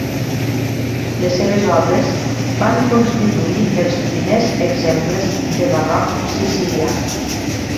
Les seves obres van constituir els primers exemples de barroc sicilià.